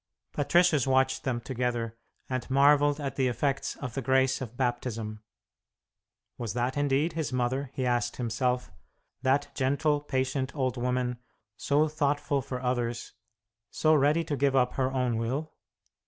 Patricius watched them together, and marvelled at the effects of the grace of Baptism. Was that indeed his mother, he asked himself, that gentle, patient old woman, so thoughtful for others, so ready to give up her own will?